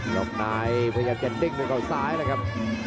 ยกได้พยายามจะดึงเหมือนกับอีกสายนะครับ